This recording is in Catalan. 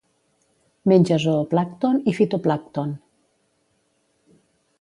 Menja zooplàncton i fitoplàncton.